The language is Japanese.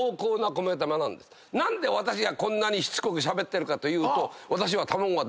何で私がこんなにしつこくしゃべってるかというと私は。